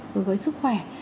đối với sức khỏe